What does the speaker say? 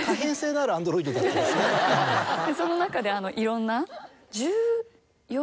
その中でいろんな。